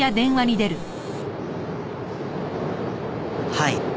はい。